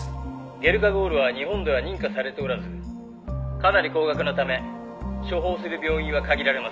「ゲルカゴールは日本では認可されておらずかなり高額なため処方する病院は限られます」